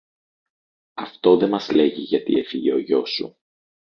Αυτό δε μας λέγει γιατί έφυγε ο γιος σου